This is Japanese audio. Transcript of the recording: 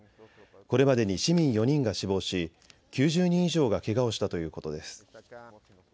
これまでに市民４人が死亡し９０人以上がけがをしたということです。